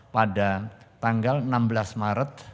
pada tanggal enam belas maret